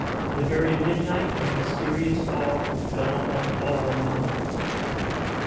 The very midnight of mysterious awe fell upon all minds.